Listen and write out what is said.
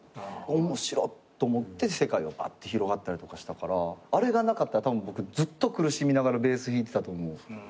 面白っ！と思って世界がばって広がったりとかしたからあれがなかったらたぶん僕ずっと苦しみながらベース弾いてたと思う。